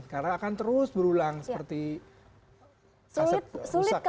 karena akan terus berulang seperti kaset rusak